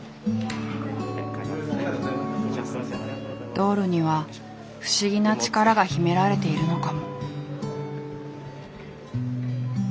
ドールには不思議な力が秘められているのかも。